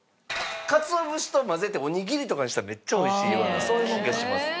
カツオ節と混ぜておにぎりとかにしたらめっちゃおいしいような気がします。